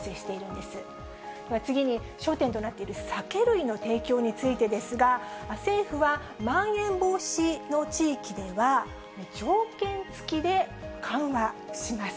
では次に、焦点となっている酒類の提供についてですが、政府は、まん延防止の地域では、条件付きで緩和します。